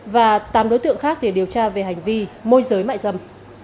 và tám đối tượng khác để điều tra về hành vi môi giới mại dâm